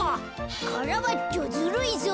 カラバッチョずるいぞ。